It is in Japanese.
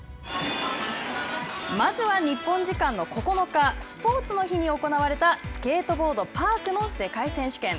まずは日本時間の９日スポーツの日に行われたスケートボードパークの世界選手権。